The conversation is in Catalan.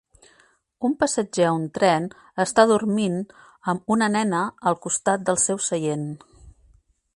Un passatger a un tren està dormint amb una nena al costat del seu seient.